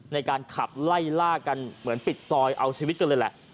ในการขับไล่ล่ากันเหมือนปิดซอยเอาชีวิตกันเลยแหละ